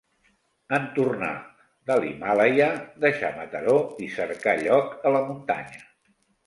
En tornar de l’Himàlaia deixa Mataró i cerca lloc a la muntanya.